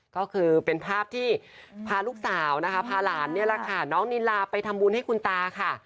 ก็คือเป็นภาพที่พาลูกสาวน้องนิลาไปทำบุญให้คุณตาค่ะ